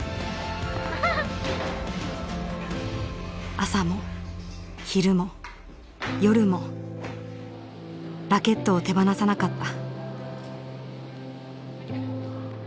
朝も昼も夜もラケットを手放さなかった。